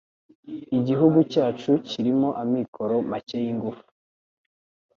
Igihugu cyacu kirimo amikoro make yingufu